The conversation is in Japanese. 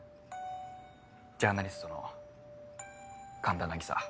ジャーナリストの神田凪沙。